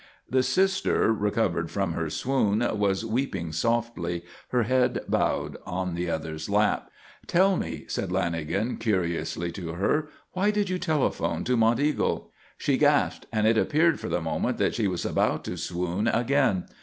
The sister, recovered from her swoon, was weeping softly, her head bowed in the other's lap. "Tell me," said Lanagan curiously to her, "why did you telephone to Monteagle?" She gasped, and it appeared for the moment that she was about to swoon again.